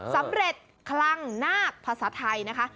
สำเร็จคลังนาคภาษาไทยนะคะ